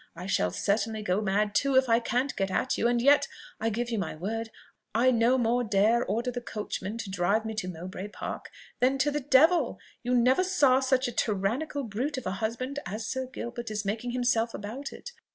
I shall certainly go mad too, if I can't get at you; and yet, I give you my word, I no more dare order the coachman to drive me to Mowbray Park than to the devil. You never saw such a tyrannical brute of a husband as Sir Gilbert is making himself about it!